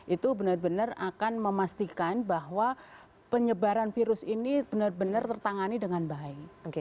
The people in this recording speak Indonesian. itu benar benar akan memastikan bahwa penyebaran virus ini benar benar tertangani dengan baik